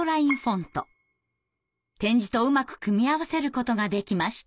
点字とうまく組み合わせることができました。